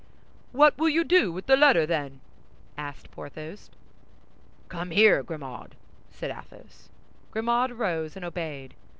"What will you do with the letter, then?" asked Porthos. "Come here, Grimaud," said Athos. Grimaud rose and obeyed.